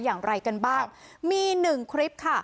อย่างไรกันบ้างมีหนึ่งคลิปค่ะ